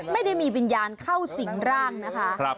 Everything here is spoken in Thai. ไม่ได้มีวิญญาณเข้าสิงร่างนะคะ